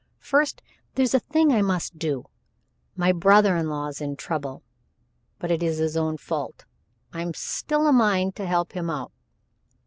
First there's a thing I must do. My brother in law's in trouble but it is his own fault still I'm a mind to help him out.